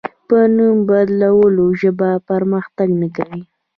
په نوم بدلولو ژبه پرمختګ نه کوي.